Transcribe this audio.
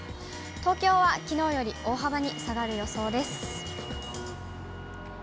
東京はきのうより大幅に下がる予想です。